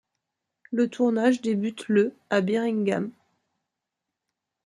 Le tournage débute le à Birmingham.